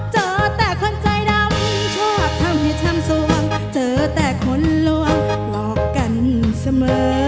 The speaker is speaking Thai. เจอแต่คนใจดำชอบทำให้ทำส่วงเจอแต่คนลวงบอกกันเสมอ